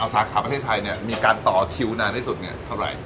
สาขาประเทศไทยมีการต่อคิวนานที่สุดเท่าไหร่